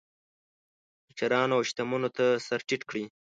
مشرانو او شتمنو ته سر ټیټ کړي.